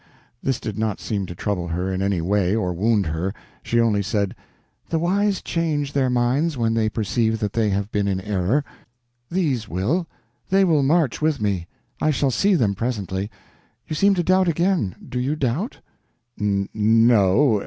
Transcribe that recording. This did not seem to trouble her in any way or wound her. She only said: "The wise change their minds when they perceive that they have been in error. These will. They will march with me. I shall see them presently.. .. You seem to doubt again? Do you doubt?" "N no.